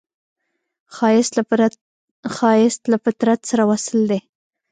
ښایست له فطرت سره وصل دی